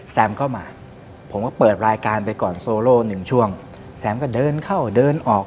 เข้ามาผมก็เปิดรายการไปก่อนโซโลหนึ่งช่วงแซมก็เดินเข้าเดินออก